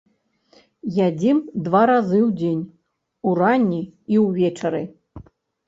Ядзім два разы ў дзень, уранні і ўвечары.